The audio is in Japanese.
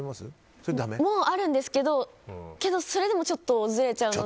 それもあるんですけどそれでもちょっとずれちゃうので。